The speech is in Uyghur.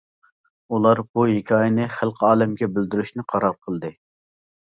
ئۇلار بۇ ھېكايىنى خەلقى-ئالەمگە بىلدۈرۈشنى قارار قىلدى.